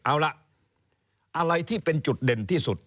อะไรที่เป็นจุดเด่นที่สุด